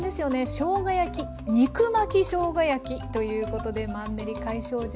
しょうが焼き肉巻きしょうが焼きということでマンネリ解消術